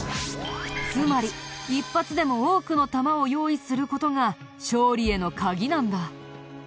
つまり一発でも多くの弾を用意する事が勝利への鍵なんだ。